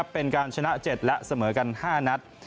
เป็นการชนะ๗และเสมอกัน๕นัด